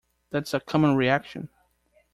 That's a common reaction.